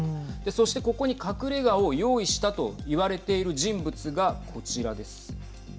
そしてここに隠れがを用意したといわれている人物がこちらです。